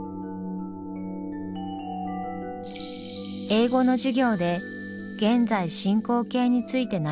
英語の授業で現在進行形について習ったイコ。